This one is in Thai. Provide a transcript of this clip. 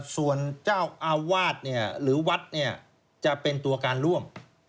ส่วนเจ้าอาวาสหรือวัดจะเป็นตัวการร่วม